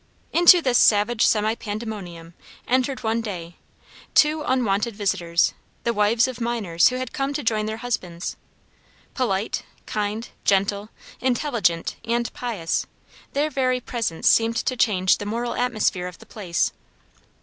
Into this savage semi pandemonium entered one day, two unwonted visitors the wives of miners who had come to join their husbands. Polite, kind, gentle, intelligent, and pious, their very presence seemed to change the moral atmosphere of the place.